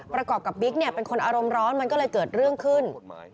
ประกอบกับบิ๊กเป็นคนอารมณ์ร้อนมันก็เลยเกิดเรื่องขึ้น